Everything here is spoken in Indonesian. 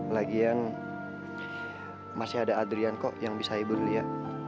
lagian masih ada adrian kok yang bisa ibu lia